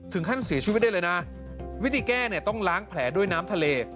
ถึงขั้นเสียชีวิตได้เลยนะวิธีแก้เนี่ยต้องล้างแผลด้วยน้ำทะเล